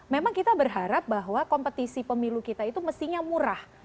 memang kita berharap bahwa kompetisi pemilu kita itu mestinya murah